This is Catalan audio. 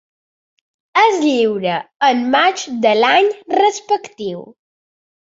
Es lliura en maig de l'any respectiu.